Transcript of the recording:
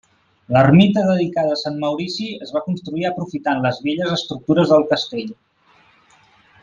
L'ermita dedicada a Sant Maurici es va construir aprofitant les velles estructures del castell.